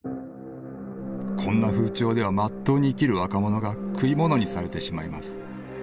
こんな風潮では真っ当に生きる若者が食い物にされてしまいます。